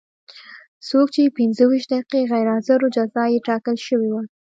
څوک چې پنځه ویشت دقیقې غیر حاضر و جزا یې ټاکل شوې وه.